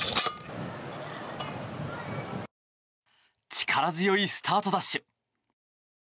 力強いスタートダッシュ。